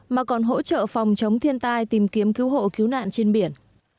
mà còn hỗ trợ phòng chống thiên tai tìm kiếm cứu hộ cứu nạn trên biển